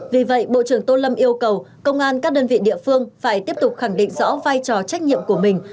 vì vậy bộ trưởng tô lâm yêu cầu công an các đơn vị địa phương phải tiếp tục khẳng định rõ vai trò trách nhiệm của mình